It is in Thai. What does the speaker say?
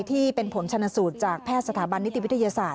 ที่เป็นผลชนสูตรจากแพทย์สถาบันนิติวิทยาศาสต